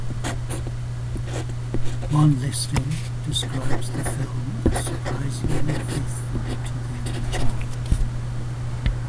One listing describes the film as "surprisingly faithful to the original".